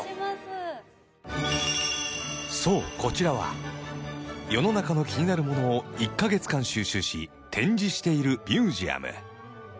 そうこちらは世の中の気になるものを１ヵ月間収集し展示しているミュージアム